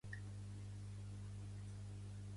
Les cançons portugueses es poden traduir i cantar en català